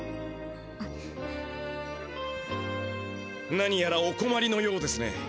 何やらおこまりのようですね。